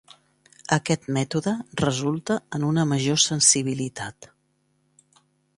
Aquest mètode resulta en una major sensibilitat.